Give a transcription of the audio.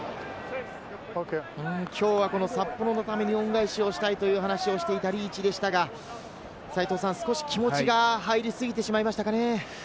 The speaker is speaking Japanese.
きょうは札幌のために恩返しをしたいという話をしていたリーチでしたが、少し気持ちが入りすぎてしまいましたかね。